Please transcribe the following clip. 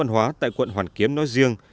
văn hóa tại quận hoàn kiếm nói riêng